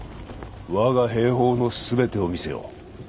我が兵法の全てを見せよう。